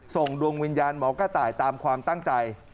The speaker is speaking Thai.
ส่งดวงวิญญาณหมอกระต่ายตามความตั้งใจ